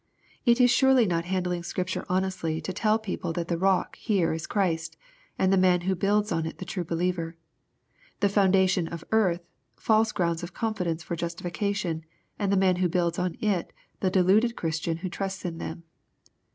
It is surely not handling Scripture honestly to tell people that the " rock'* here is Christ, and the man who builds on it the true believer, — the foundation of earth, false grounds of confidence for justification, and the man who builds on it the deluded Christian who trusts in them.